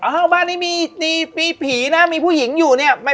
บ้านนี้มีผีนะมีผู้หญิงอยู่เนี่ย